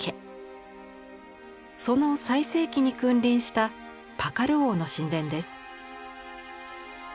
その最盛期に君臨したパカル王の神殿です。